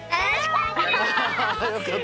よかった！